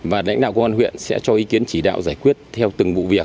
và lãnh đạo công an huyện sẽ cho ý kiến chỉ đạo giải quyết theo từng vụ việc